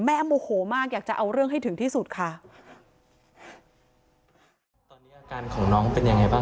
แม่โมโหมากอยากจะเอาเรื่องให้ถึงที่สุดค่ะ